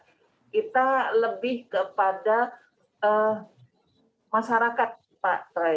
kita lebih kepada masyarakat pak